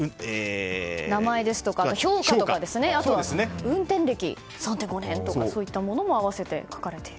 名前ですとか評価とか運転歴３．５点とかといったものも合わせて書かれている。